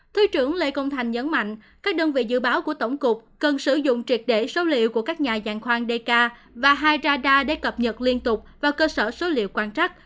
thứ trưởng lê công thành nhấn mạnh các đơn vị dự báo của tổng cục cần sử dụng triệt để số liệu của các nhà dạng khoan dk và hai radar để cập nhật liên tục và cơ sở số liệu quan trắc